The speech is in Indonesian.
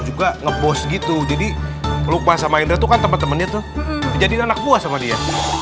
juga ngebos gitu jadi peluk masa mainnya tuh kan temen temen itu jadi anak buah sama dia